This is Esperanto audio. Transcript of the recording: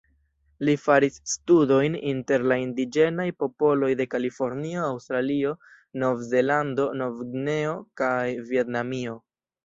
Li faris studojn inter la indiĝenaj popoloj de Kalifornio, Aŭstralio, Novzelando, Novgvineo kaj Vjetnamio.